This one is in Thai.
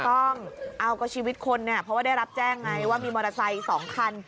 ต้องเอาก็ชีวิตคนเนี่ยเพราะว่าได้รับแจ้งไงว่ามีมอเตอร์ไซค์๒คัน